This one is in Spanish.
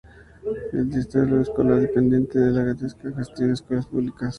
El Distrito Escolar Independiente de Gadsden gestiona escuelas públicas.